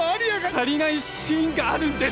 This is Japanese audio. たりないシーンがあるんです！